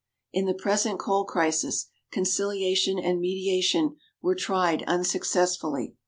In the present coal crisis, conciliation and mediation were tried unsuccessfully.